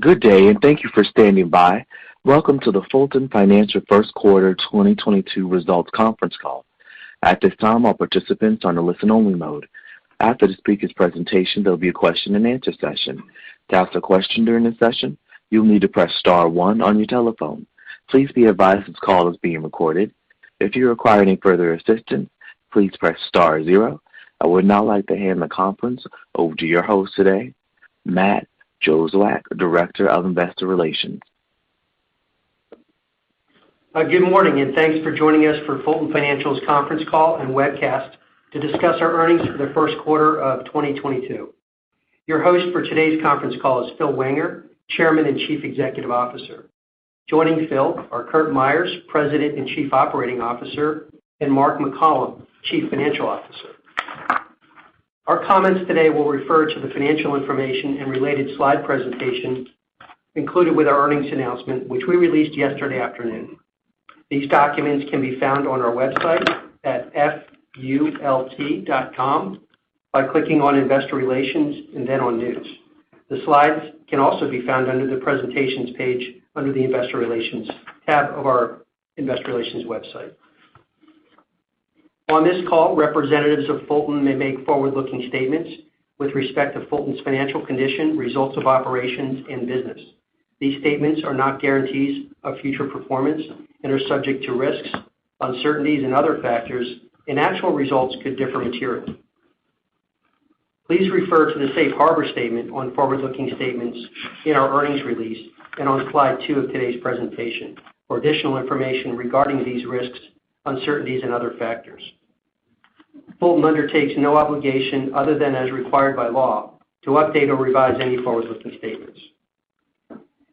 Good day and thank you for standing by. Welcome to the Fulton Financial First Quarter 2022 Results Conference Call. At this time, all participants are on a listen-only mode. After the speaker's presentation, there'll be a question-and-answer session. To ask a question during the session, you'll need to press star one on your telephone. Please be advised this call is being recorded. If you require any further assistance, please press star zero. I would now like to hand the conference over to your host today, Matt Jozwiak, Director of Investor Relations. Good morning and thanks for joining us for Fulton Financial's conference call and webcast to discuss our earnings for the first quarter of 2022. Your host for today's conference call is Phil Wenger, Chairman and Chief Executive Officer. Joining Phil are Curt Myers, President and Chief Operating Officer, and Mark McCollom, Chief Financial Officer. Our comments today will refer to the financial information and related slide presentation included with our earnings announcement, which we released yesterday afternoon. These documents can be found on our website at fult.com by clicking on Investor Relations and then on News. The slides can also be found under the presentations page under the Investor Relations tab of our investor relations website. On this call, representatives of Fulton may make forward-looking statements with respect to Fulton's financial condition, results of operations, and business. These statements are not guarantees of future performance and are subject to risks, uncertainties and other factors, and actual results could differ materially. Please refer to the safe harbor statement on forward-looking statements in our earnings release and on slide two of today's presentation for additional information regarding these risks, uncertainties and other factors. Fulton undertakes no obligation other than as required by law to update or revise any forward-looking statements.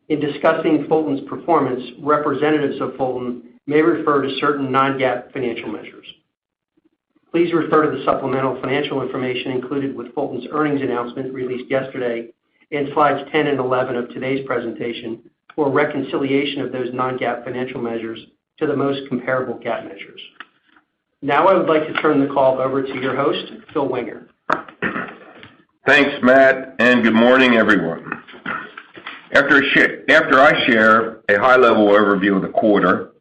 In discussing Fulton's performance, representatives of Fulton may refer to certain non-GAAP financial measures. Please refer to the supplemental financial information included with Fulton's earnings announcement released yesterday in slides 10 and 11 of today's presentation for a reconciliation of those non-GAAP financial measures to the most comparable GAAP measures. Now, I would like to turn the call over to your host, Phil Wenger. Thanks, Matt, and good morning, everyone. After I share a high-level overview of the quarter,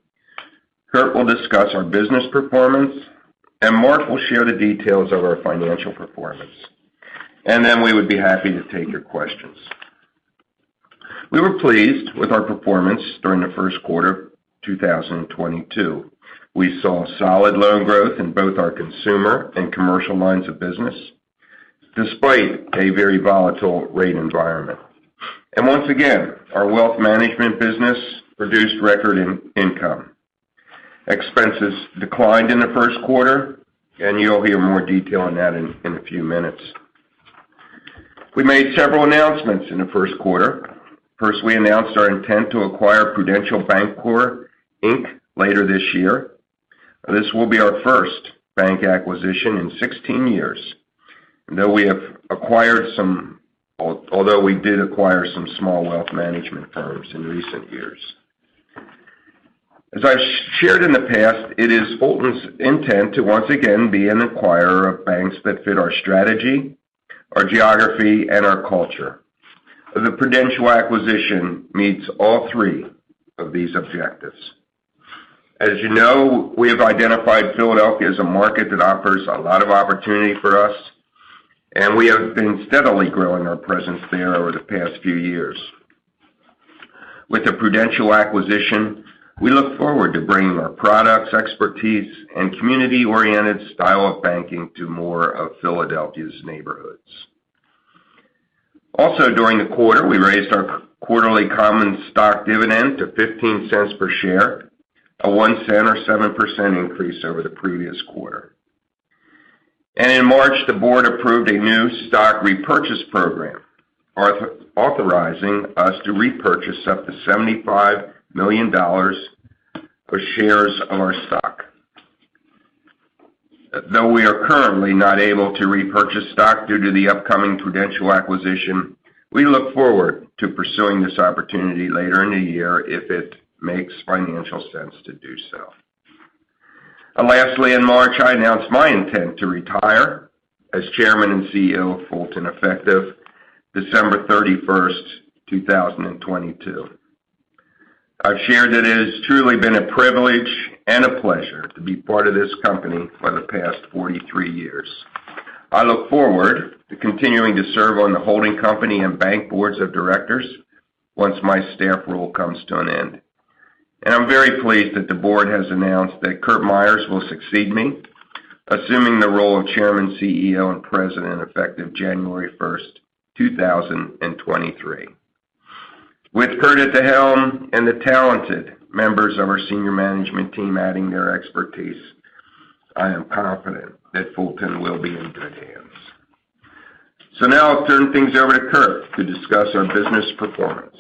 Kurt will discuss our business performance and Mark will share the details of our financial performance. Then we would be happy to take your questions. We were pleased with our performance during the first quarter 2022. We saw solid loan growth in both our consumer and commercial lines of business despite a very volatile rate environment. Once again, our wealth management business produced record income. Expenses declined in the first quarter, and you'll hear more detail on that in a few minutes. We made several announcements in the first quarter. First, we announced our intent to acquire Prudential Bancorp, Inc. later this year. This will be our first bank acquisition in 16 years. Though we have acquired some... Although we did acquire some small wealth management firms in recent years. As I've shared in the past, it is Fulton's intent to once again be an acquirer of banks that fit our strategy, our geography, and our culture. The Prudential acquisition meets all three of these objectives. As you know, we have identified Philadelphia as a market that offers a lot of opportunity for us, and we have been steadily growing our presence there over the past few years. With the Prudential acquisition, we look forward to bringing our products, expertise and community-oriented style of banking to more of Philadelphia's neighborhoods. Also, during the quarter, we raised our quarterly common stock dividend to $0.15 per share, a $0.01 or 7% increase over the previous quarter. In March, the board approved a new stock repurchase program authorizing us to repurchase up to $75 million for shares of our stock. Though we are currently not able to repurchase stock due to the upcoming Prudential acquisition, we look forward to pursuing this opportunity later in the year if it makes financial sense to do so. Lastly, in March, I announced my intent to retire as Chairman and CEO of Fulton effective 31 December 2022. I've shared that it has truly been a privilege and a pleasure to be part of this company for the past 43 years. I look forward to continuing to serve on the holding company and bank boards of directors once my staff role comes to an end. I'm very pleased that the board has announced that Curt Myers will succeed me, assuming the role of Chairman, CEO, and President effective 1 January 2023. With Curt at the helm and the talented members of our senior management team adding their expertise, I am confident that Fulton will be in good hands. Now I'll turn things over to Curt to discuss our business performance.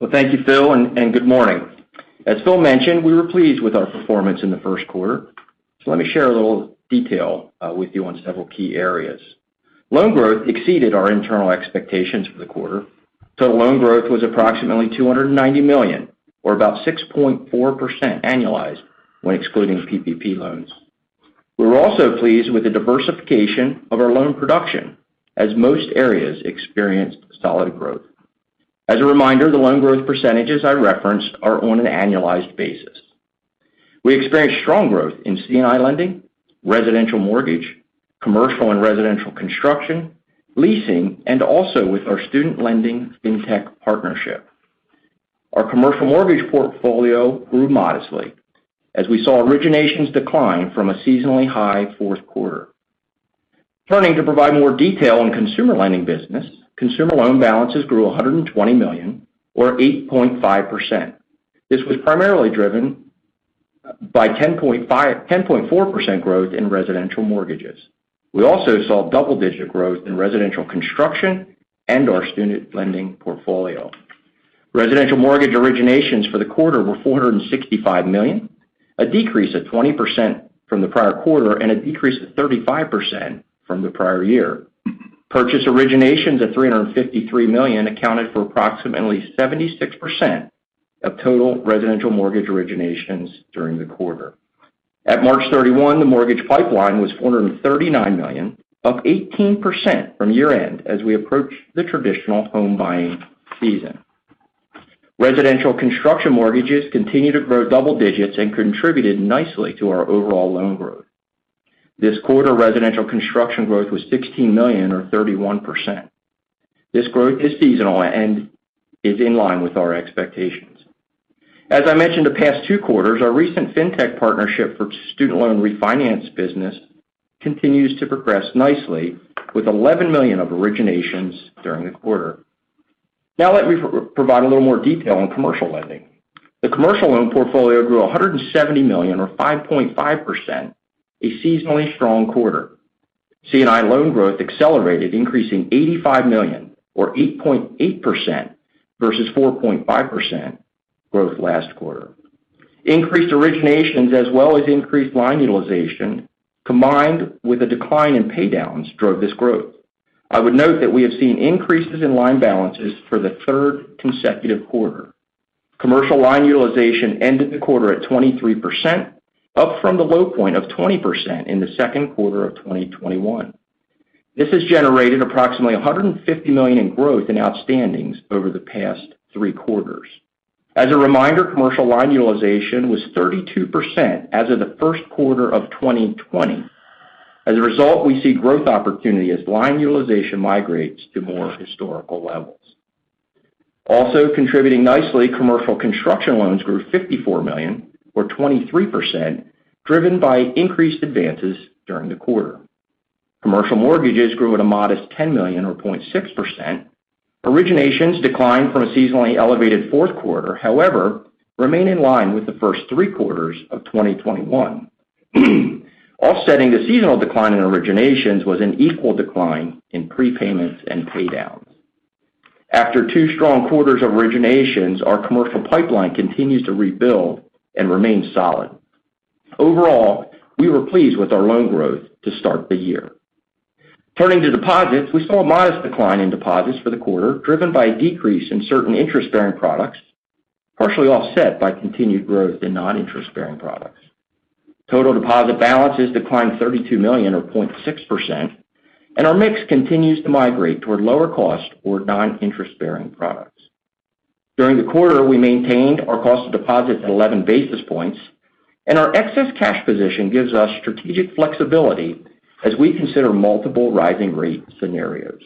Well, thank you, Phil, and good morning. As Phil mentioned, we were pleased with our performance in the first quarter. Let me share a little detail with you on several key areas. Loan growth exceeded our internal expectations for the quarter. Total loan growth was approximately $290 million or about 6.4% annualized when excluding PPP loans. We're also pleased with the diversification of our loan production as most areas experienced solid growth. As a reminder, the loan growth percentages I referenced are on an annualized basis. We experienced strong growth in C&I lending, residential mortgage, commercial and residential construction, leasing, and also with our student lending fintech partnership. Our commercial mortgage portfolio grew modestly as we saw originations decline from a seasonally high fourth quarter. Turning to provide more detail on consumer lending business. Consumer loan balances grew $120 million or 8.5%. This was primarily driven by 10.4% growth in residential mortgages. We also saw double-digit growth in residential construction and our student lending portfolio. Residential mortgage originations for the quarter were $465 million, a decrease of 20% from the prior quarter and a decrease of 35% from the prior year. Purchase originations of $353 million accounted for approximately 76% of total residential mortgage originations during the quarter. At March 31, the mortgage pipeline was $439 million, up 18% from year-end as we approach the traditional home buying season. Residential construction mortgages continue to grow double digits and contributed nicely to our overall loan growth. This quarter, residential construction growth was $16 million or 31%. This growth is seasonal and is in line with our expectations. As I mentioned the past two quarters, our recent fintech partnership for student loan refinance business continues to progress nicely with $11 million of originations during the quarter. Now let me provide a little more detail on commercial lending. The commercial loan portfolio grew $170 million or 5.5%, a seasonally strong quarter. C&I loan growth accelerated, increasing $85 million or 8.8% versus 4.5% growth last quarter. Increased originations as well as increased line utilization, combined with a decline in pay downs, drove this growth. I would note that we have seen increases in line balances for the third consecutive quarter. Commercial line utilization ended the quarter at 23%, up from the low point of 20% in the second quarter of 2021. This has generated approximately $150 million in growth in outstandings over the past three quarters. As a reminder, commercial line utilization was 32% as of the first quarter of 2020. As a result, we see growth opportunity as line utilization migrates to more historical levels. Also contributing nicely, commercial construction loans grew $54 million or 23%, driven by increased advances during the quarter. Commercial mortgages grew at a modest $10 million or 0.6%. Originations declined from a seasonally elevated fourth quarter, however, they remain in line with the first three quarters of 2021. Offsetting the seasonal decline in originations was an equal decline in prepayments and pay downs. After two strong quarters of originations, our commercial pipeline continues to rebuild and remain solid. Overall, we were pleased with our loan growth to start the year. Turning to deposits, we saw a modest decline in deposits for the quarter, driven by a decrease in certain interest-bearing products, partially offset by continued growth in non-interest-bearing products. Total deposit balances declined $32 million or 0.6%, and our mix continues to migrate toward lower cost or non-interest-bearing products. During the quarter, we maintained our cost of deposits at 11 basis points, and our excess cash position gives us strategic flexibility as we consider multiple rising rate scenarios.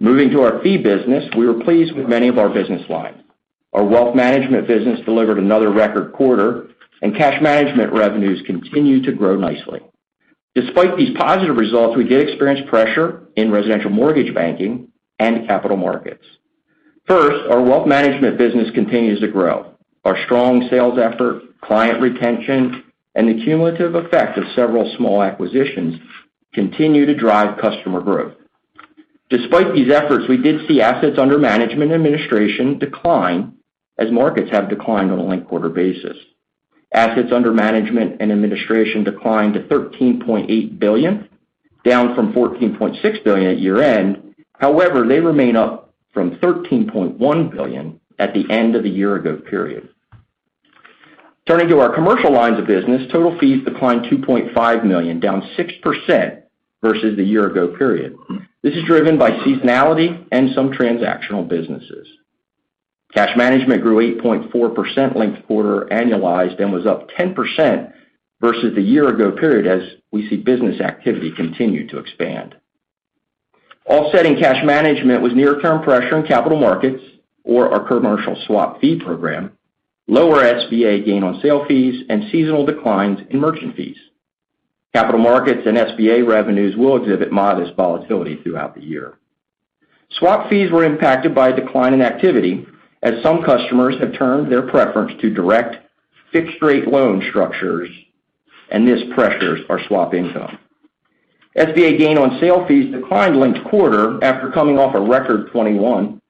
Moving to our fee business, we were pleased with many of our business lines. Our wealth management business delivered another record quarter, and cash management revenues continued to grow nicely. Despite these positive results, we did experience pressure in residential mortgage banking and capital markets. First, our wealth management business continues to grow. Our strong sales effort, client retention, and the cumulative effect of several small acquisitions continue to drive customer growth. Despite these efforts, we did see assets under management administration decline as markets have declined on a linked quarter basis. Assets under management and administration declined to $13.8 billion, down from $14.6 billion at year-end. However, they remain up from $13.1 billion at the end of the year ago period. Turning to our commercial lines of business, total fees declined $2.5 million, down 6% versus the year ago period. This is driven by seasonality and some transactional businesses. Cash management grew 8.4% linked-quarter annualized and was up 10% versus the year ago period as we see business activity continue to expand. Offsetting cash management was near-term pressure in capital markets or our commercial swap fee program, lower SBA gain on sale fees, and seasonal declines in merchant fees. Capital markets and SBA revenues will exhibit modest volatility throughout the year. Swap fees were impacted by a decline in activity as some customers have turned their preference to direct fixed rate loan structures, and this pressures our swap income. SBA gain on sale fees declined linked-quarter after coming off a record 2021.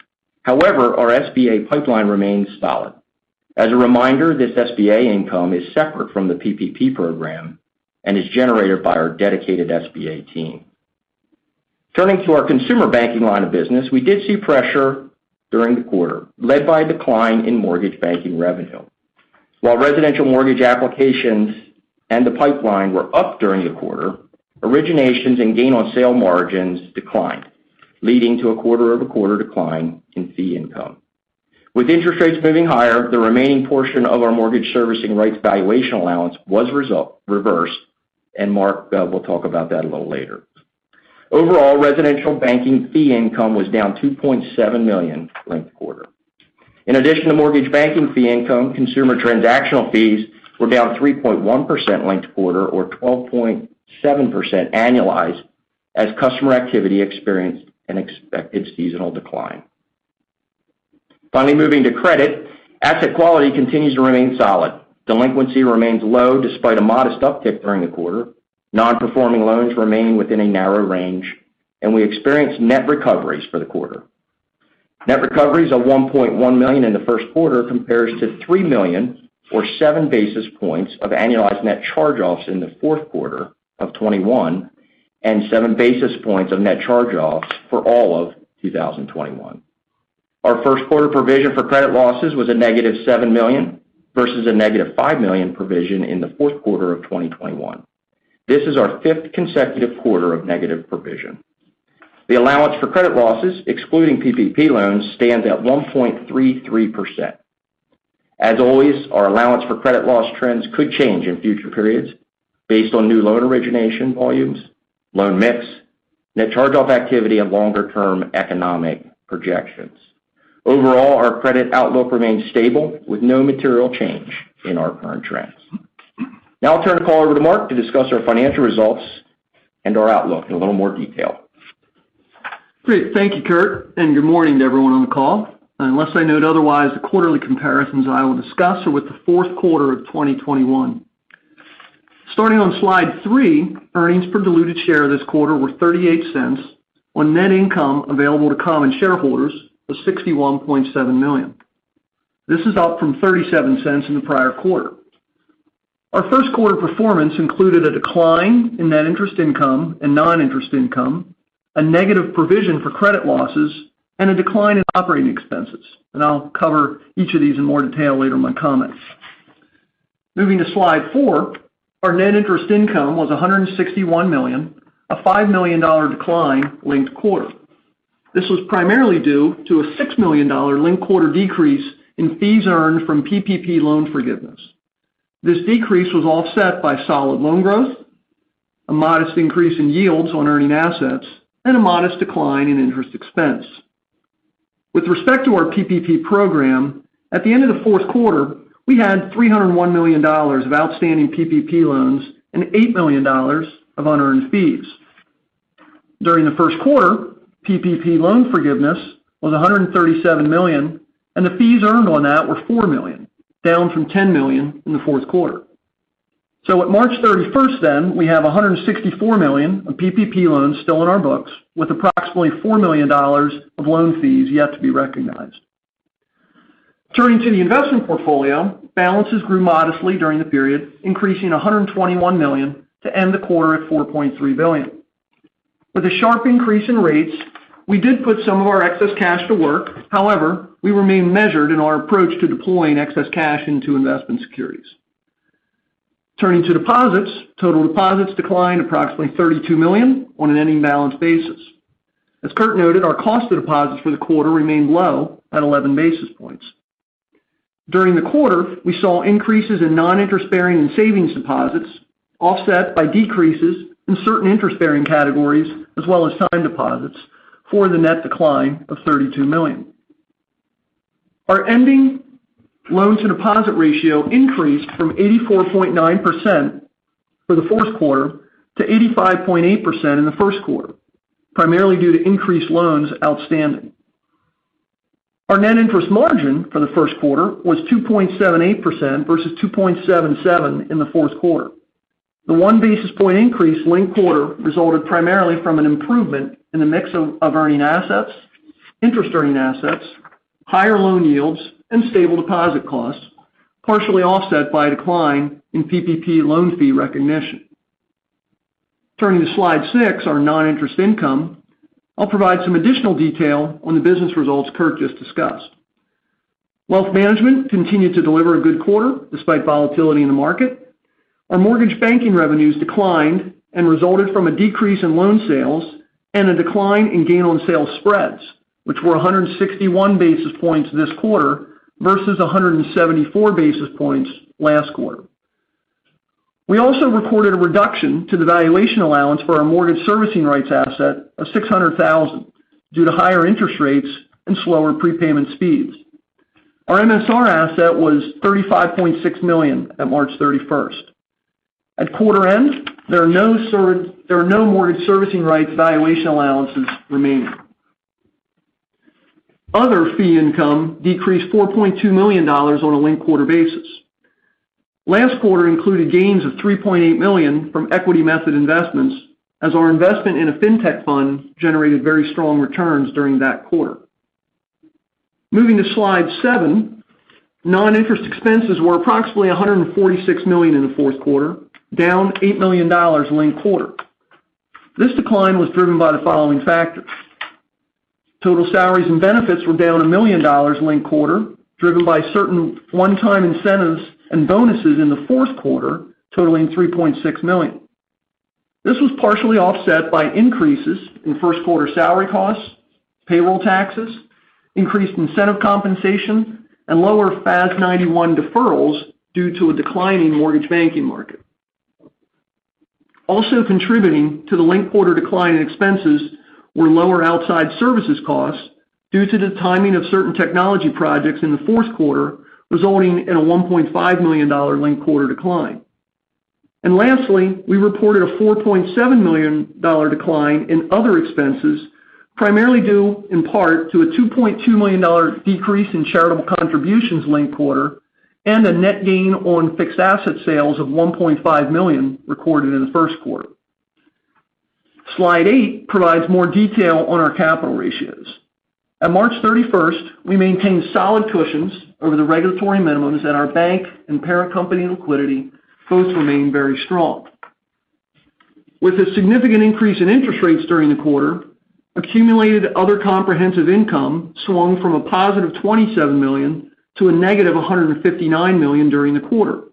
However, our SBA pipeline remains solid. As a reminder, this SBA income is separate from the PPP program and is generated by our dedicated SBA team. Turning to our consumer banking line of business, we did see pressure during the quarter led by a decline in mortgage banking revenue. While residential mortgage applications and the pipeline were up during the quarter, originations and gain on sale margins declined, leading to a quarter-over-quarter decline in fee income. With interest rates moving higher, the remaining portion of our mortgage servicing rights valuation allowance was reversed, and Mark will talk about that a little later. Overall, residential banking fee income was down $2.7 million linked-quarter. In addition to mortgage banking fee income, consumer transactional fees were down 3.1% linked-quarter or 12.7% annualized as customer activity experienced an expected seasonal decline. Finally, moving to credit, asset quality continues to remain solid. Delinquency remains low despite a modest uptick during the quarter. Non-performing loans remain within a narrow range and we experienced net recoveries for the quarter. Net recoveries of $1.1 million in the first quarter compares to $3 million or 7 basis points of annualized net charge-offs in the fourth quarter of 2021, and 7 basis points of net charge-offs for all of 2021. Our first quarter provision for credit losses was a -$7 million versus a -$5 million provision in the fourth quarter of 2021. This is our fifth consecutive quarter of negative provision. The allowance for credit losses, excluding PPP loans, stands at 1.33%. As always, our allowance for credit loss trends could change in future periods based on new loan origination volumes, loan mix, net charge-off activity and longer-term economic projections. Overall, our credit outlook remains stable with no material change in our current trends. Now I'll turn the call over to Mark to discuss our financial results and our outlook in a little more detail. Great. Thank you, Curt, and good morning to everyone on the call. Unless I note otherwise, the quarterly comparisons I will discuss are with the fourth quarter of 2021. Starting on slide three, earnings per diluted share this quarter were $0.38 on net income available to common shareholders of $61.7 million. This is up from $0.37 in the prior quarter. Our first quarter performance included a decline in net interest income and non-interest income, a negative provision for credit losses, and a decline in operating expenses. I'll cover each of these in more detail later in my comments. Moving to slide four, our net interest income was $161 million, a $5 million decline linked quarter. This was primarily due to a $6 million linked quarter decrease in fees earned from PPP loan forgiveness. This decrease was offset by solid loan growth, a modest increase in yields on earning assets and a modest decline in interest expense. With respect to our PPP program, at the end of the fourth quarter, we had $301 million of outstanding PPP loans and $8 million of unearned fees. During the first quarter, PPP loan forgiveness was $137 million and the fees earned on that were $4 million down from $10 million in the fourth quarter. At March 31st then, we have $164 million of PPP loans still on our books, with approximately $4 million of loan fees yet to be recognized. Turning to the investment portfolio, balances grew modestly during the period, increasing $121 million to end the quarter at $4.3 billion. With a sharp increase in rates, we did put some of our excess cash to work. However, we remain measured in our approach to deploying excess cash into investment securities. Turning to deposits, total deposits declined approximately $32 million on an ending balance basis. As Curt noted, our cost of deposits for the quarter remained low at 11 basis points. During the quarter, we saw increases in non-interest-bearing and savings deposits offset by decreases in certain interest-bearing categories as well as time deposits for the net decline of $32 million. Our ending loans to deposit ratio increased from 84.9% for the fourth quarter to 85.8% in the first quarter, primarily due to increased loans outstanding. Our net interest margin for the first quarter was 2.78% versus 2.77% in the fourth quarter. The 1 basis point increase linked-quarter resulted primarily from an improvement in the mix of interest-earning assets, higher loan yields and stable deposit costs, partially offset by a decline in PPP loan fee recognition. Turning to slide six, our non-interest income, I'll provide some additional detail on the business results Curt just discussed. Wealth management continued to deliver a good quarter despite volatility in the market. Our mortgage banking revenues declined and resulted from a decrease in loan sales and a decline in gain on sale spreads, which were 161 basis points this quarter versus 174 basis points last quarter. We also recorded a reduction to the valuation allowance for our mortgage servicing rights asset of $600,000 due to higher interest rates and slower prepayment speeds. Our MSR asset was $35.6 million at March 31st. At quarter end, there are no mortgage servicing rights valuation allowances remaining. Other fee income decreased $4.2 million on a linked quarter basis. Last quarter included gains of $3.8 million from equity method investments as our investment in a fintech fund generated very strong returns during that quarter. Moving to Slide seven. Non-interest expenses were approximately $146 million in the fourth quarter, down $8 million linked quarter. This decline was driven by the following factors. Total salaries and benefits were down $1 million linked quarter, driven by certain one-time incentives and bonuses in the fourth quarter, totaling $3.6 million. This was partially offset by increases in first quarter salary costs, payroll taxes, increased incentive compensation, and lower FAS 91 deferrals due to a decline in mortgage banking market. Also contributing to the linked quarter decline in expenses were lower outside services costs due to the timing of certain technology projects in the fourth quarter, resulting in a $1.5 million linked quarter decline. Lastly, we reported a $4.7 million decline in other expenses, primarily due in part to a $2.2 million decrease in charitable contributions linked quarter, and a net gain on fixed asset sales of $1.5 million recorded in the first quarter. Slide eight provides more detail on our capital ratios. At March 31st, we maintained solid cushions over the regulatory minimums, and our bank and parent company liquidity both remain very strong. With a significant increase in interest rates during the quarter, accumulated other comprehensive income swung from a positive $27 million to a -$159 million during the quarter.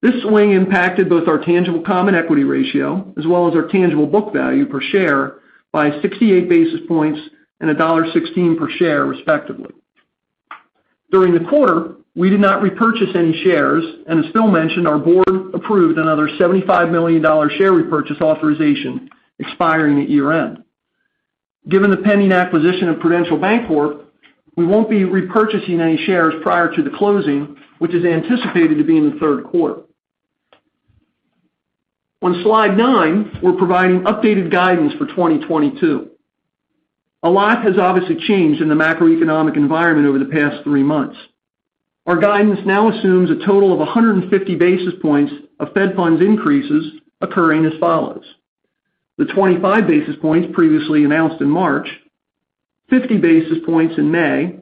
This swing impacted both our tangible common equity ratio as well as our tangible book value per share by 68 basis points and $1.16 per share respectively. During the quarter, we did not repurchase any shares. As Phil mentioned, our board approved another $75 million share repurchase authorization expiring at year-end. Given the pending acquisition of Prudential Bancorp, we won't be repurchasing any shares prior to the closing, which is anticipated to be in the third quarter. On slide nine, we're providing updated guidance for 2022. A lot has obviously changed in the macroeconomic environment over the past three months. Our guidance now assumes a total of 150 basis points of Fed funds increases occurring as follows: the 25 basis points previously announced in March, 50 basis points in May,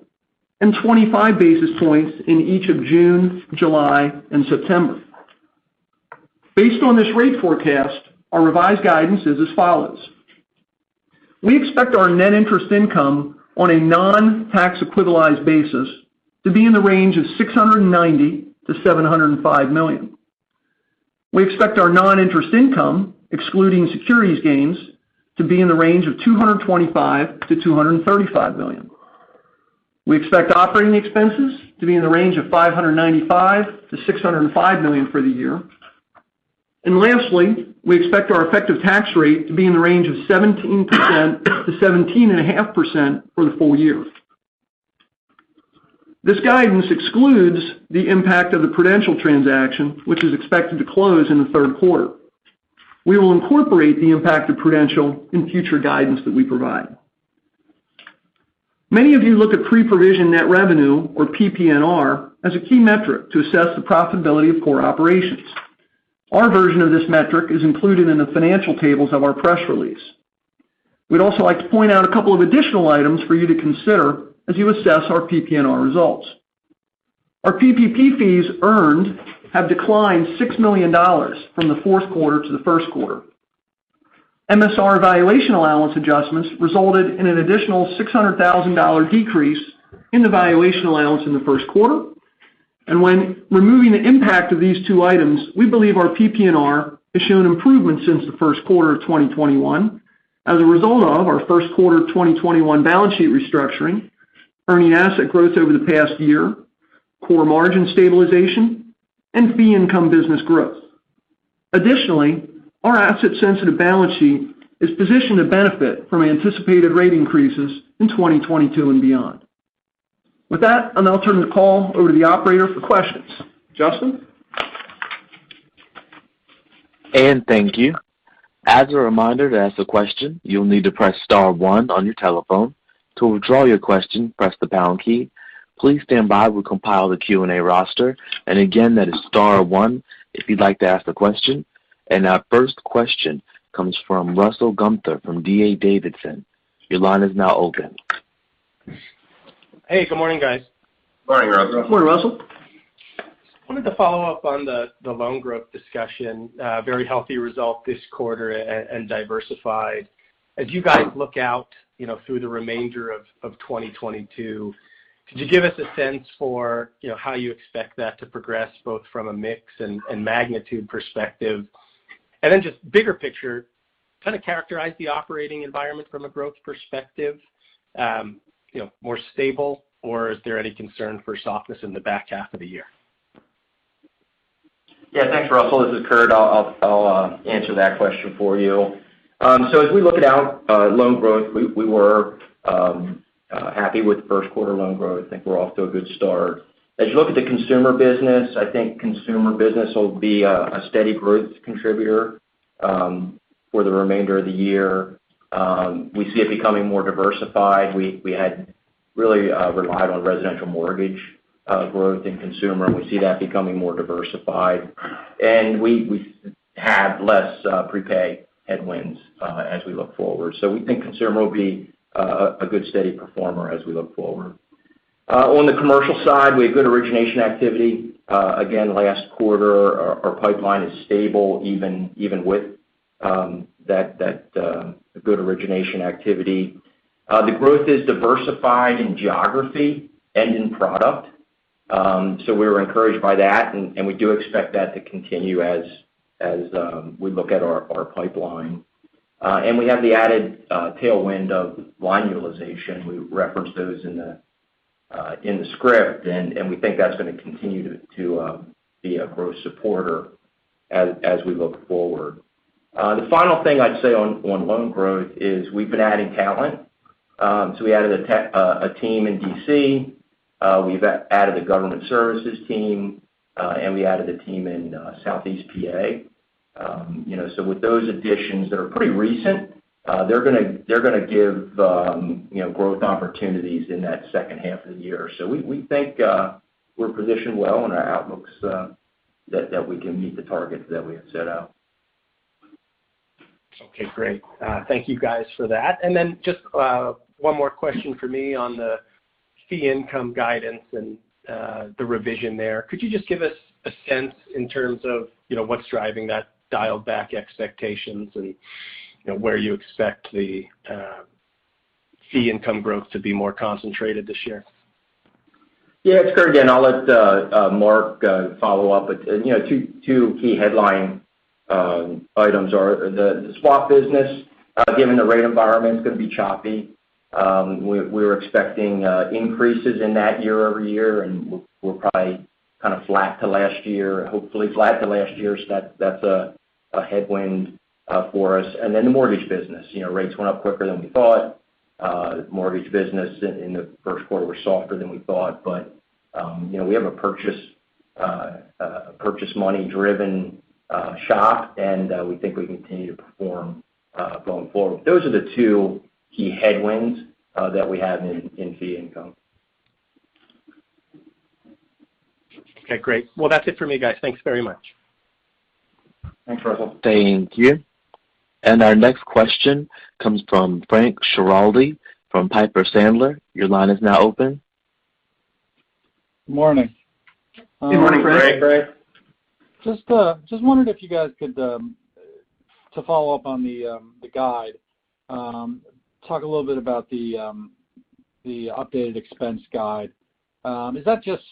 and 25 basis points in each of June, July and September. Based on this rate forecast, our revised guidance is as follows. We expect our net interest income on a non-tax equivalized basis to be in the range of $690-705 million. We expect our non-interest income, excluding securities gains, to be in the range of $225-235 million. We expect operating expenses to be in the range of $595-605 million for the year. Lastly, we expect our effective tax rate to be in the range of 17% to 17.5% for the full year. This guidance excludes the impact of the Prudential transaction, which is expected to close in the third quarter. We will incorporate the impact of Prudential in future guidance that we provide. Many of you look at pre-provision net revenue, or PPNR, as a key metric to assess the profitability of core operations. Our version of this metric is included in the financial tables of our press release. We'd also like to point out a couple of additional items for you to consider as you assess our PPNR results. Our PPP fees earned have declined $6 million from the fourth quarter to the first quarter. MSR valuation allowance adjustments resulted in an additional $600,000 decrease in the valuation allowance in the first quarter. When removing the impact of these two items, we believe our PPNR has shown improvement since the first quarter of 2021 as a result of our first quarter 2021 balance sheet restructuring, earning asset growth over the past year, core margin stabilization, and fee income business growth. Additionally, our asset-sensitive balance sheet is positioned to benefit from anticipated rate increases in 2022 and beyond. With that, I'll now turn the call over to the operator for questions. Justin? Thank you. As a reminder, to ask a question, you'll need to press star one on your telephone. To withdraw your question, press the pound key. Please stand by while we compile the Q&A roster. Again, that is star one if you'd like to ask a question. Our first question comes from Russell Gunther from D.A. Davidson. Your line is now open. Hey, good morning, guys. Morning, Russell. Good morning, Russell. Wanted to follow up on the loan growth discussion, very healthy result this quarter and diversified. As you guys look out, you know, through the remainder of 2022, could you give us a sense for, you know, how you expect that to progress both from a mix and magnitude perspective? Just bigger picture, kind of characterize the operating environment from a growth perspective, you know, more stable or is there any concern for softness in the back half of the year? Yeah. Thanks, Russell. This is Curt. I'll answer that question for you. So as we look at loan growth, we were happy with first quarter loan growth. I think we're off to a good start. As you look at the consumer business, I think consumer business will be a steady growth contributor for the remainder of the year. We see it becoming more diversified. We had really relied on residential mortgage growth in consumer, and we see that becoming more diversified. And we have less prepay headwinds as we look forward. We think consumer will be a good steady performer as we look forward. On the commercial side, we have good origination activity. Again, last quarter our pipeline is stable even with that good origination activity. The growth is diversified in geography and in product. We're encouraged by that and we do expect that to continue as we look at our pipeline. We have the added tailwind of line utilization. We referenced those in the script and we think that's gonna continue to be a growth supporter as we look forward. The final thing I'd say on loan growth is we've been adding talent. We added a team in D.C. We've added a government services team, and we added a team in Southeast PA. You know, with those additions that are pretty recent, they're gonna give you know, growth opportunities in that second half of the year. We think we're positioned well and our outlook's that we can meet the targets that we have set out. Okay, great. Thank you guys for that. Just one more question for me on the fee income guidance and the revision there. Could you just give us a sense in terms of, you know, what's driving that dialed back expectations and, you know, where you expect the fee income growth to be more concentrated this year? Yeah. It's Curt again. I'll let Mark follow up. You know, two key headline items are the swap business given the rate environment's gonna be choppy. We're expecting increases in that year-over-year, and we're probably kind of flat to last year, hopefully flat to last year. So that's a headwind for us. Then the mortgage business. You know, rates went up quicker than we thought. Mortgage business in the first quarter were softer than we thought. You know, we have a purchase money-driven shop, and we think we continue to perform going forward. Those are the two key headwinds that we have in fee income. Okay, great. Well, that's it for me, guys. Thanks very much. Thanks, Russell. Thank you. Our next question comes from Frank Schiraldi from Piper Sandler. Your line is now open. Morning. Good morning, Frank. Good morning, Frank. Just wondering if you guys could to follow up on the guide, talk a little bit about the updated expense guide. Is that just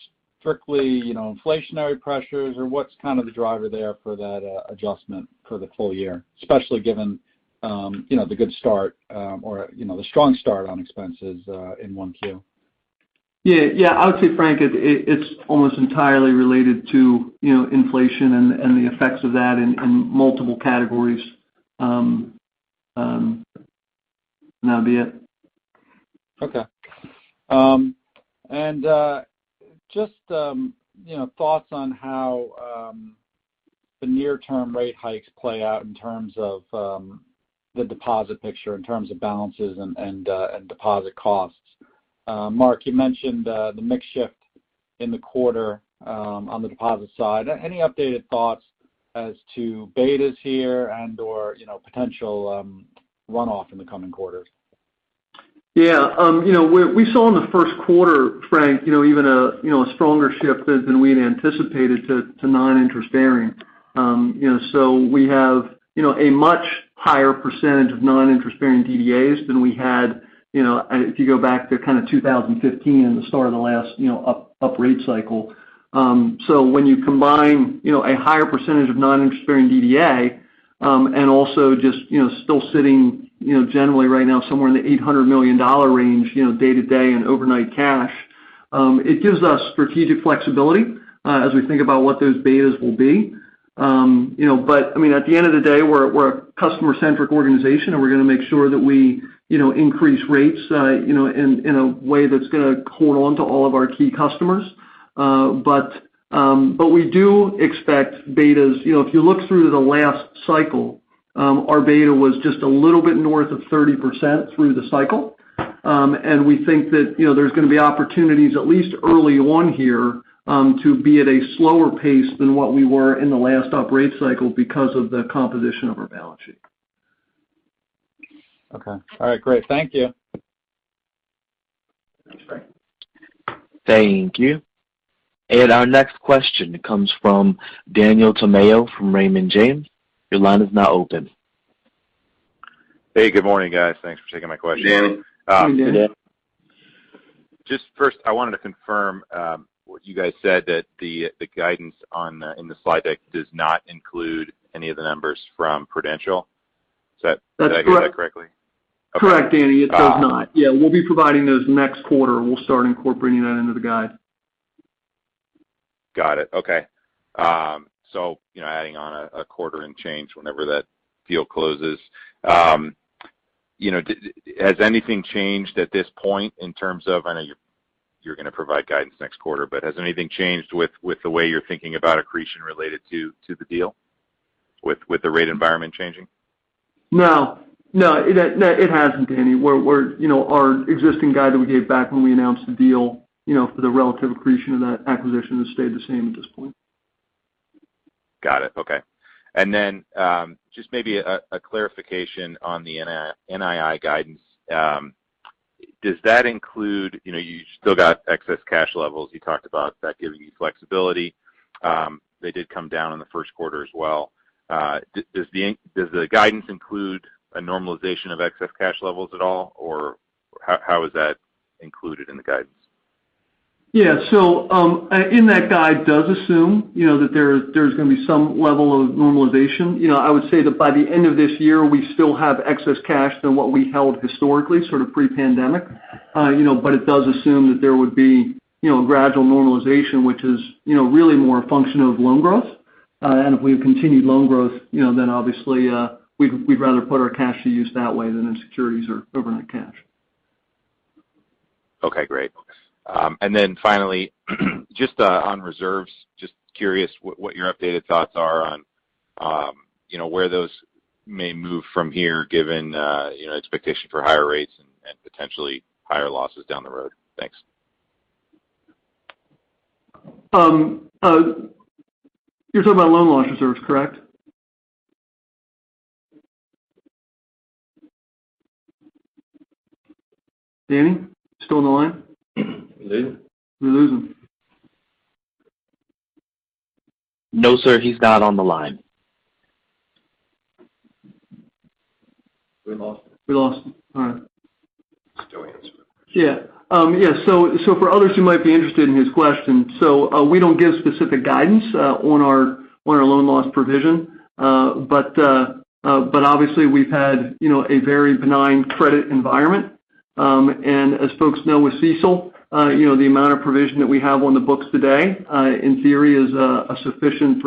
strictly, you know, inflationary pressures, or what's kind of the driver there for that adjustment for the full year, especially given, you know, the good start or, you know, the strong start on expenses in 1Q? Yeah. I would say, Frank, it's almost entirely related to, you know, inflation and the effects of that in multiple categories. That'd be it. Just, you know, thoughts on how the near term rate hikes play out in terms of the deposit picture in terms of balances and deposit costs. Mark, you mentioned the mix shift in the quarter on the deposit side. Any updated thoughts as to betas here and/or, you know, potential runoff in the coming quarters? Yeah. You know, we saw in the first quarter, Frank, you know, even a stronger shift than we had anticipated to non-interest-bearing. You know, so we have, you know, a much higher percentage of non-interest-bearing DDAs than we had, you know, if you go back to kind of 2015 and the start of the last, you know, uprate cycle. So when you combine, you know, a higher percentage of non-interest-bearing DDA and also just, you know, still sitting, you know, generally right now somewhere in the $800 million range, you know, day to day and overnight cash, it gives us strategic flexibility as we think about what those betas will be. You know, I mean, at the end of the day, we're a customer-centric organization and we're gonna make sure that we, you know, increase rates, you know, in a way that's gonna hold on to all of our key customers. We do expect betas. You know, if you look through the last cycle, our beta was just a little bit north of 30% through the cycle. We think that, you know, there's gonna be opportunities at least early on here, to be at a slower pace than what we were in the last uprate cycle because of the composition of our balance sheet. Okay. All right, great. Thank you. Thanks, Frank. Thank you. Our next question comes from Daniel Tamayo from Raymond James. Your line is now open. Hey, good morning, guys. Thanks for taking my question. Good morning. Good morning, Dan. Just first, I wanted to confirm what you guys said, that the guidance in the slide deck does not include any of the numbers from Prudential. Is that? That's correct. Did I get that correctly? Okay. Correct, Danny. It does not. Yeah, we'll be providing those next quarter, and we'll start incorporating that into the guide. Got it. Okay. You know, adding on a quarter and change whenever that deal closes. You know, has anything changed at this point in terms of, I know you're gonna provide guidance next quarter, but has anything changed with the way you're thinking about accretion related to the deal with the rate environment changing? No, it hasn't, Danny. We're, you know, our existing guide that we gave back when we announced the deal, you know, for the relative accretion of that acquisition has stayed the same at this point. Got it. Okay. Just maybe a clarification on the NII guidance. Does that include, you know, you still got excess cash levels? You talked about that giving you flexibility. They did come down in the first quarter as well. Does the guidance include a normalization of excess cash levels at all, or how is that included in the guidance? Yeah. In that guide does assume, you know, that there's gonna be some level of normalization. You know, I would say that by the end of this year, we still have excess cash than what we held historically, sort of pre-pandemic. You know, but it does assume that there would be, you know, gradual normalization, which is, you know, really more a function of loan growth. And if we have continued loan growth, you know, then obviously, we'd rather put our cash to use that way than in securities or overnight cash. Okay. Great. Finally, just on reserves, just curious what your updated thoughts are on, you know, where those may move from here given you know, expectation for higher rates and potentially higher losses down the road. Thanks. You're talking about loan loses reserves, correct? Danny, you still on the line? We lose him. No, sir, he's not on the line. We lost him. We lost him. All right. Still answer it. Yeah, so for others who might be interested in his question, we don't give specific guidance on our loan loss provision. Obviously we've had, you know, a very benign credit environment. As folks know with CECL, you know, the amount of provision that we have on the books today, in theory is sufficient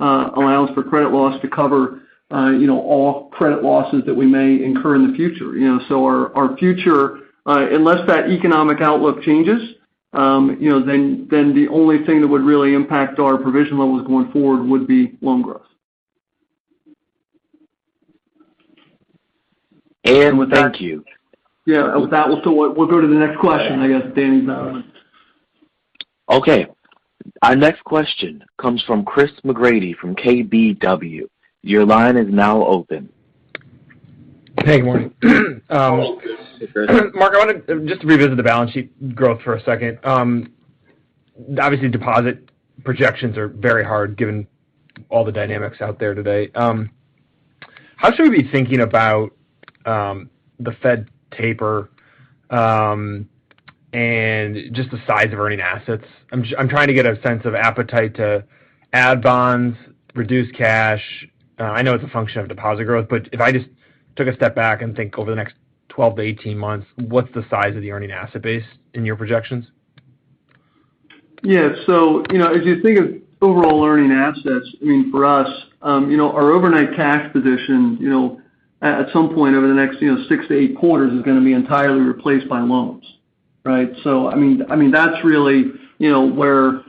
allowance for credit losses to cover, you know, all credit losses that we may incur in the future. You know, our future, unless that economic outlook changes, you know, then the only thing that would really impact our provision levels going forward would be loan growth. Thank you. Yeah. With that, we'll still go to the next question, I guess. Danny's not on it. Okay. Our next question comes from Chris McGratty from KBW. Your line is now open. Hey, good morning. Hello, Chris. Mark, I wanted just to revisit the balance sheet growth for a second. Obviously deposit projections are very hard given all the dynamics out there today. How should we be thinking about the Fed taper and just the size of earning assets? I'm trying to get a sense of appetite to add bonds, reduce cash. I know it's a function of deposit growth, but if I just took a step back and think over the next 12-18 months, what's the size of the earning asset base in your projections? Yeah. You know, as you think of overall earning assets, I mean, for us, our overnight cash position, you know, at some point over the next six to eight quarters is gonna be entirely replaced by loans, right? I mean, that's really, you know, where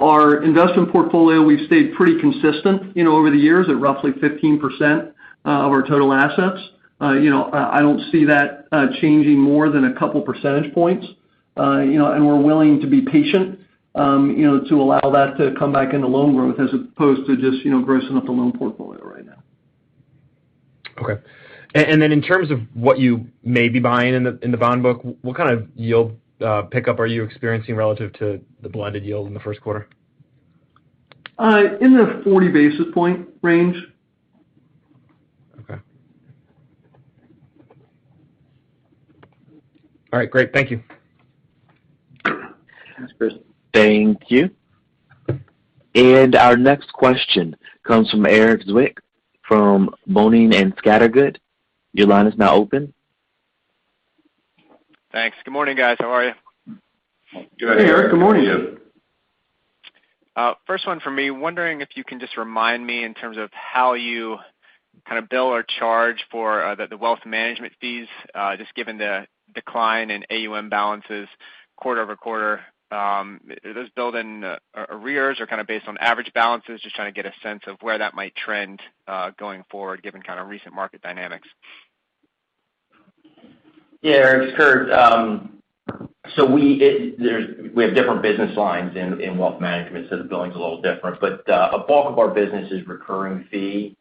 our investment portfolio, we've stayed pretty consistent, you know, over the years at roughly 15% of our total assets. You know, I don't see that changing more than a couple percentage points. You know, we're willing to be patient, you know, to allow that to come back into loan growth as opposed to just, you know, grossing up the loan portfolio right now. In terms of what you may be buying in the bond book, what kind of yield pickup are you experiencing relative to the blended yield in the first quarter? In the 40 basis points range. Okay. All right, great. Thank you. Thanks, Chris. Thank you. Our next question comes from Erik Zwick from Boenning & Scattergood. Your line is now open. Thanks. Good morning, guys. How are you? Good. How are you? Hey, Eric. Good morning. First one for me. Wondering if you can just remind me in terms of how you kind of bill or charge for the wealth management fees, just given the decline in AUM balances quarter-over-quarter. Are those billed in arrears or kind of based on average balances? Just trying to get a sense of where that might trend going forward, given kind of recent market dynamics. Yeah, Erik, it's Curt. We have different business lines in wealth management, so the billing's a little different. But a bulk of our business is recurring fee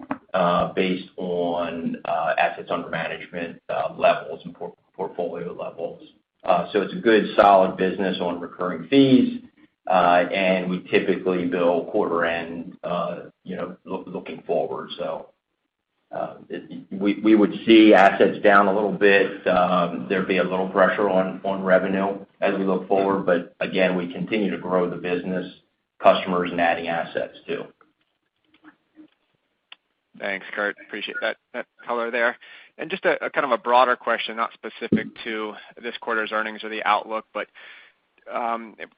based on assets under management levels and portfolio levels. It's a good solid business on recurring fees. And we typically bill quarter end, you know, looking forward. We would see assets down a little bit. There'd be a little pressure on revenue as we look forward, but again, we continue to grow the business, customers and adding assets too. Thanks, Curt. Appreciate that color there. Just a kind of a broader question, not specific to this quarter's earnings or the outlook, but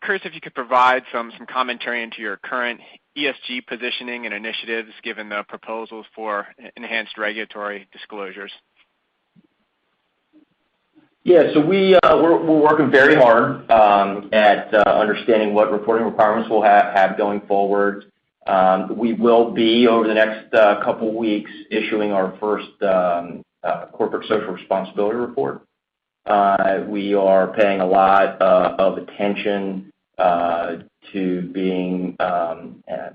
curious if you could provide some commentary into your current ESG positioning and initiatives given the proposals for enhanced regulatory disclosures. Yeah. We're working very hard at understanding what reporting requirements we'll have going forward. We will be over the next couple weeks issuing our first corporate social responsibility report. We are paying a lot of attention to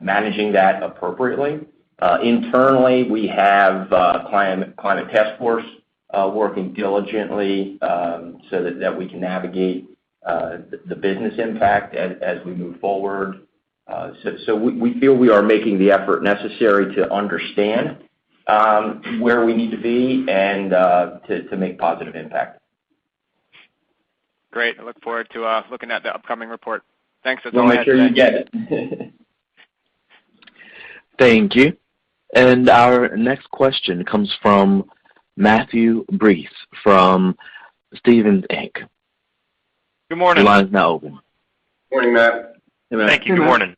managing that appropriately. Internally, we have a climate task force working diligently so that we can navigate the business impact as we move forward. We feel we are making the effort necessary to understand where we need to be and to make positive impact. Great. I look forward to looking at the upcoming report. Thanks so much. You'll make sure you get it. Thank you. Our next question comes from Matthew Breese from Stephens Inc. Good morning. Your line is now open. Morning, Matt. Hey, Matt. Thank you. Morning.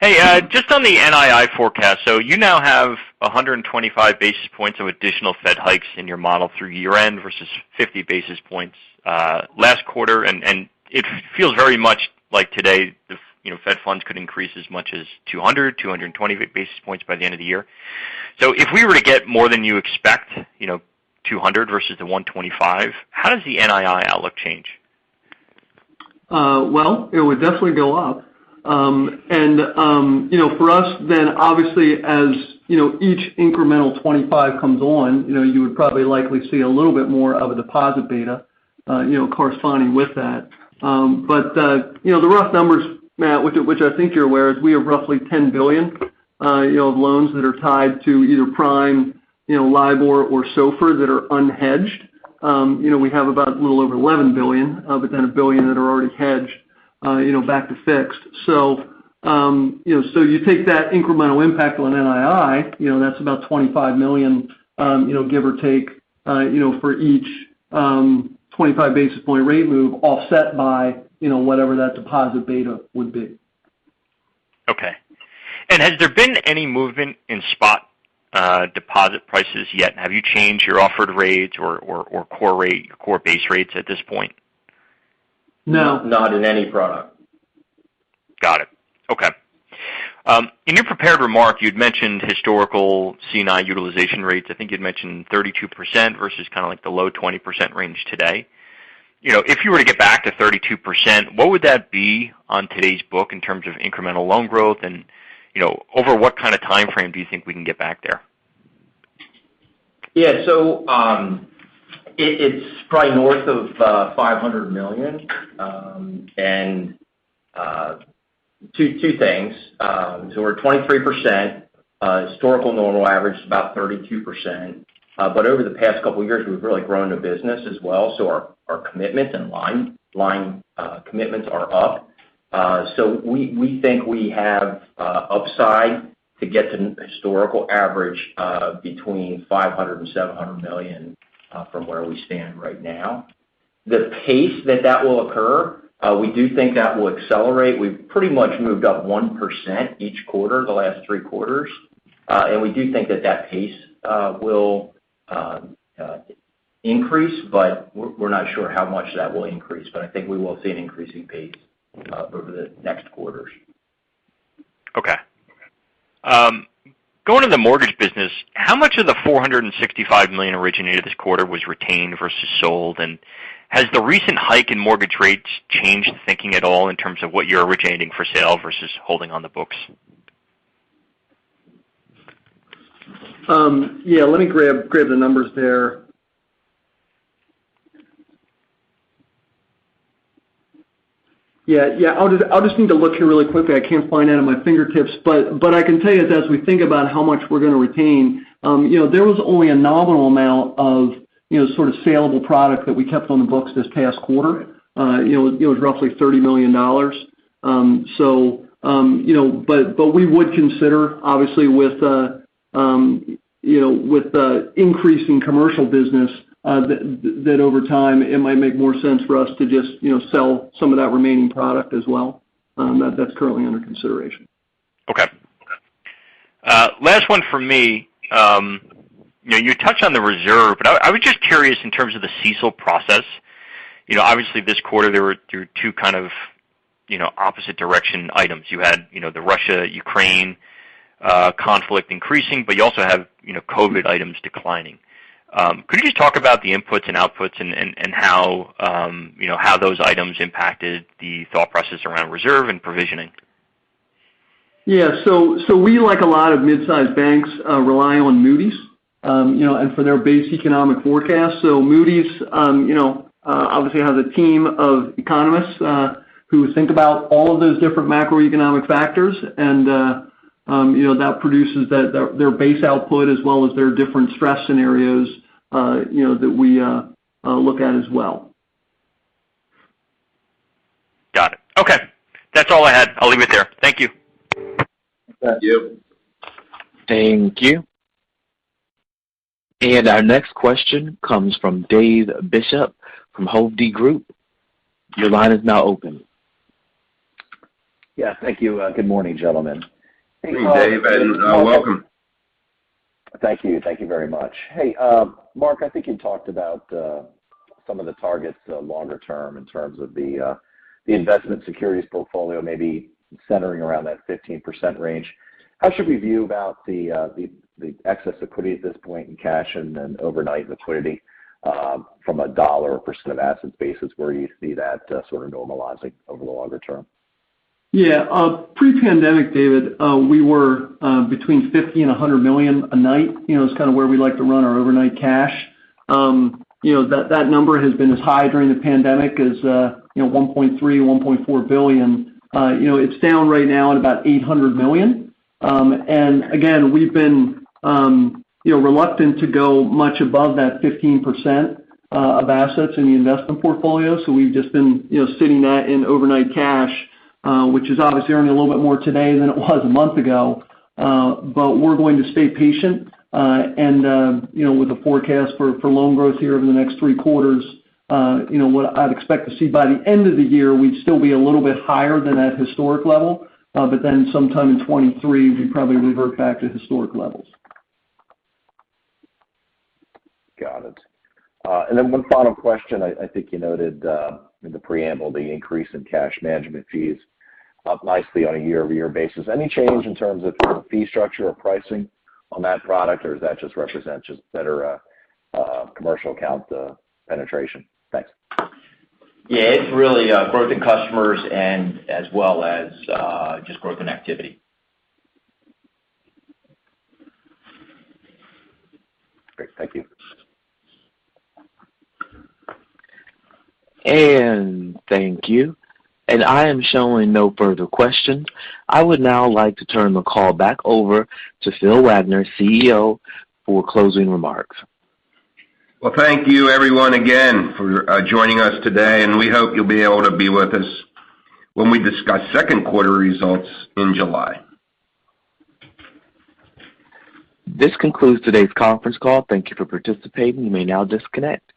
Hey, just on the NII forecast. You now have 125 basis points of additional Fed hikes in your model through year-end versus 50 basis points last quarter. It feels very much like today the Fed funds could increase as much as 220 basis points by the end of the year. If we were to get more than you expect, you know, 200 versus the 125, how does the NII outlook change? Well, it would definitely go up. You know, for us then obviously, as you know, each incremental 25 comes on, you know, you would probably likely see a little bit more of a deposit beta, you know, corresponding with that. You know, the rough numbers, Matt, which I think you're aware is we have roughly $10 billion you know of loans that are tied to either prime, you know, LIBOR or SOFR that are unhedged. You know, we have about a little over $11 billion, but then $1 billion that are already hedged, you know, back to fixed. You take that incremental impact on NII, you know, that's about $25 million, you know, give or take, you know, for each 25 basis points rate move offset by, you know, whatever that deposit beta would be. Okay. Has there been any movement in spot deposit prices yet? Have you changed your offered rates or core base rates at this point? No. Not in any product. Got it. Okay. In your prepared remark, you'd mentioned historical C&I utilization rates. I think you'd mentioned 32% versus kind of like the low 20% range today. You know, if you were to get back to 32%, what would that be on today's book in terms of incremental loan growth? You know, over what kind of timeframe do you think we can get back there? Yeah. It's probably north of $500 million, and two things. We're at 23%. Historical normal average is about 32%. Over the past couple of years, we've really grown the business as well. Our commitments and line commitments are up. We think we have upside to get to the historical average between $500 million and $700 million from where we stand right now. The pace that will occur, we do think that will accelerate. We've pretty much moved up 1% each quarter, the last three quarters. We do think that pace will increase, but we're not sure how much that will increase. I think we will see an increasing pace over the next quarters. Okay. Going to the mortgage business, how much of the $465 million originated this quarter was retained versus sold? Has the recent hike in mortgage rates changed thinking at all in terms of what you're originating for sale versus holding on the books? Yeah, let me grab the numbers there. Yeah. I'll just need to look here really quickly. I can't find that on my fingertips, but I can tell you that as we think about how much we're gonna retain, you know, there was only a nominal amount of, you know, sort of salable product that we kept on the books this past quarter. You know, it was roughly $30 million. So, you know, but we would consider obviously with, you know, with the increase in commercial business, that over time it might make more sense for us to just, you know, sell some of that remaining product as well, that's currently under consideration. Okay. Last one from me. You know, you touched on the reserve, but I was just curious in terms of the CECL process. You know, obviously this quarter there were two kind of, you know, opposite direction items. You had, you know, the Russia-Ukraine conflict increasing, but you also have, you know, COVID items declining. Could you just talk about the inputs and outputs and how, you know, how those items impacted the thought process around reserve and provisioning? Yeah. We, like a lot of mid-sized banks, rely on Moody's, you know, for their base economic forecast. Moody's, you know, obviously has a team of economists who think about all of those different macroeconomic factors and, you know, that produces their base output as well as their different stress scenarios, you know, that we look at as well. Got it. Okay. That's all I had. I'll leave it there. Thank you. Thank you. Thank you. Our next question comes from David Bishop from Hovde Group. Your line is now open. Yeah. Thank you. Good morning, gentlemen. Hey, David, and welcome. Thank you. Thank you very much. Hey, Mark, I think you talked about some of the targets longer term in terms of the investment securities portfolio may be centering around that 15% range. How should we view the excess equity at this point in cash and then overnight liquidity, from a dollar or percent of assets basis, where you see that sort of normalizing over the longer term? Yeah. Pre-pandemic, David, we were between $50-100 million a night. You know, it's kind of where we like to run our overnight cash. You know, that number has been as high during the pandemic as $1.3 billion, $1.4 billion. You know, it's down right now at about $800 million. And again, we've been, you know, reluctant to go much above that 15% of assets in the investment portfolio. We've just been, you know, sitting that in overnight cash, which is obviously earning a little bit more today than it was a month ago. But we're going to stay patient. You know, with the forecast for loan growth here over the next three quarters, what I'd expect to see by the end of the year, we'd still be a little bit higher than that historic level. Sometime in 2023, we probably revert back to historic levels. Got it. One final question. I think you noted in the preamble the increase in cash management fees up nicely on a year-over-year basis. Any change in terms of sort of fee structure or pricing on that product, or does that just represent just better commercial account penetration? Thanks. Yeah, it's really growth in customers and as well as just growth in activity. Great. Thank you. Thank you. I am showing no further questions. I would now like to turn the call back over to Phil Wenger, CEO, for closing remarks. Well, thank you everyone again for joining us today, and we hope you'll be able to be with us when we discuss second quarter results in July. This concludes today's conference call. Thank you for participating. You may now disconnect.